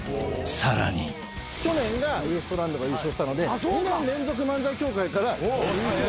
［さらに］去年がウエストランドが優勝したので２年連続漫才協会から優勝者が。